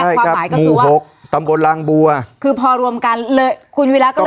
ความหมายก็คือว่าหกตำบลรางบัวคือพอรวมกันเลยคุณวิระก็เลย